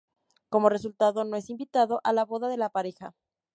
Como resultado no es invitado a la boda de la pareja.